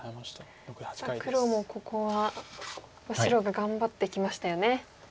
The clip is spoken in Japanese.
黒もここは白が頑張ってきましたよね。